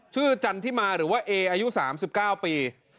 ชื่อจันทร์ที่มาหรือว่าเออายุ๓๙ปี